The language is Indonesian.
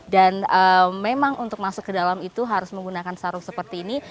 dan memang untuk masuk ke dalam itu harus menggunakan sarung seperti ini